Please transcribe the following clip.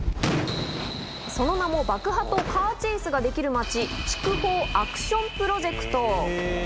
その名も、爆破とカーチェイスができる街、筑豊アクションプロジェクト。